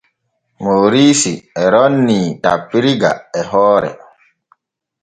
Mooriisi e roonii tappirga e hoore.